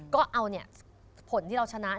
ก็เอาผลที่เราชนะ